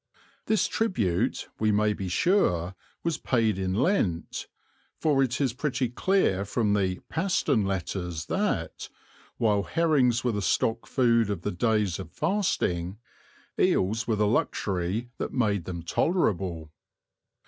This tribute, we may be sure, was paid in Lent, for it is pretty clear from the Paston Letters that, while herrings were the stock food of the days of fasting, eels were the luxury that made them tolerable.